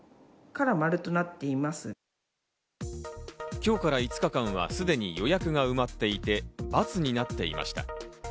今日から５日間はすでに予約が埋まっていて×になっていました。